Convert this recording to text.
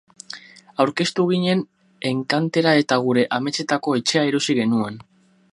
Aurkeztu ginen enkantera eta gure ametsetako etxea erosi genuen.